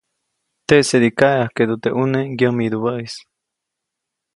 Teʼsedi kaʼeʼajkeʼdu teʼ ʼune ŋgyämidubäʼis.